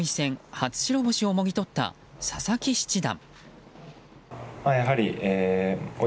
初白星をもぎ取った佐々木七段。